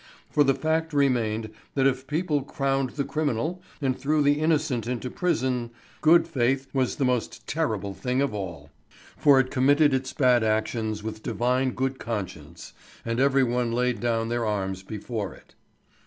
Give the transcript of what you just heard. For the fact remained that if people crowned the criminal, and threw the innocent into prison, good faith was the most terrible thing of all; for it committed its bad actions with divine good conscience, and every one laid down their arms before it.